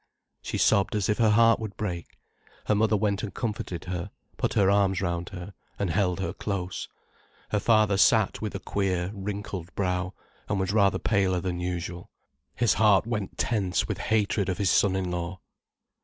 She sobbed as if her heart would break. Her mother went and comforted her, put her arms round her, and held her close. Her father sat with a queer, wrinkled brow, and was rather paler than usual. His heart went tense with hatred of his son in law.